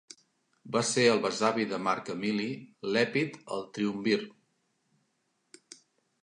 Va ser el besavi de Marc Emili Lèpid el triumvir.